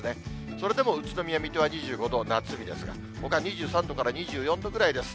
それでも宇都宮、水戸は２５度、夏日ですが、ほか２３度から２４度ぐらいです。